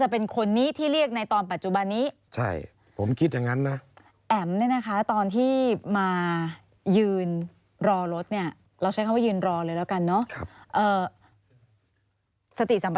แอะมเนี่ยนะคะตอนที่ยื่นรอรถเนี่ยเราใช้คำว่ายืนรอแล้วกันเนอะ